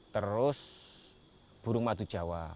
terus burung madu jawa